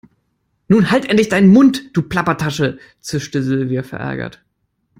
Nun halt endlich deinen Mund, du Plappertasche, zischte Silvia verärgert.